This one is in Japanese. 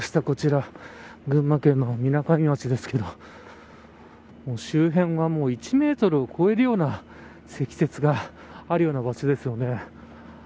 こちら群馬県のみなかみ町ですけれども周辺はもう１メートルを越えるような積雪があるような場所ですよね。